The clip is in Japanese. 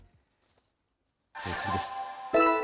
次です。